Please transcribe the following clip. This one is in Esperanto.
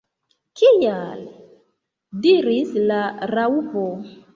"Kial?" diris la Raŭpo.